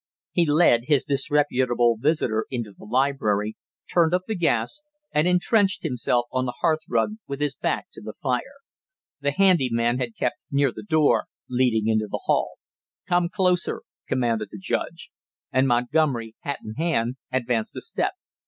He led his disreputable visitor into the library, turned up the gas, and intrenched himself on the hearth rug with his back to the fire. The handy man had kept near the door leading into the hall. "Come closer!" commanded the judge, and Montgomery, hat in hand, advanced a step.